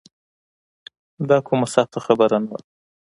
دا کومه سخته خبره نه ده.